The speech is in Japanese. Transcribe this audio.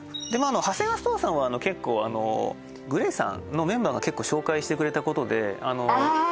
ハセガワストアさんは結構ＧＬＡＹさんのメンバーが結構紹介してくれたことでああ